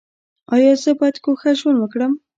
ایا زه باید ګوښه ژوند وکړم؟